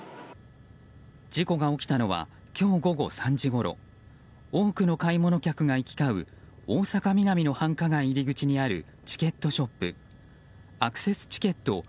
事故が起きたのは今日午後３時ごろ多くの買い物客が行き交う大阪ミナミの繁華街の入り口にあるチケットショップアクセスチケット